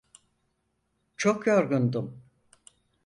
Çok yorgundum.